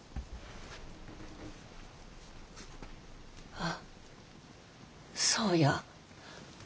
あっそうや。